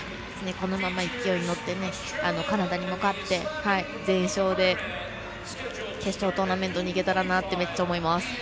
このまま勢いに乗ってカナダにも勝って、全勝で決勝トーナメントにいけたらなとめっちゃ思います。